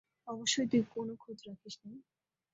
অবশ্যই, তুই কোনো খোঁজ রাখিস নাই।